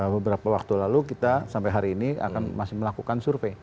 beberapa waktu lalu kita sampai hari ini akan masih melakukan survei